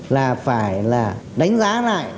là phải là đánh giá lại